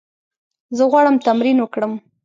زه غواړم تمرین وکړم.